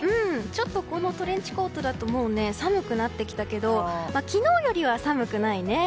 ちょっとこのトレンチコートだともう寒くなってきたけど昨日よりは寒くないね。